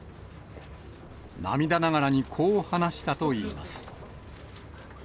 涙ながらにこう話したといいます。